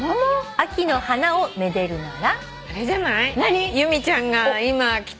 「秋の花を愛でるなら」